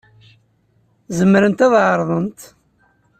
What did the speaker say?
Zemrent ad ɛerḍent?